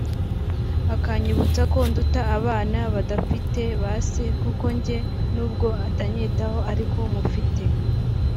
akanyibutsa ko nduta abana badafite ba se kuko njye n’ubwo atanyitaho ariko mufite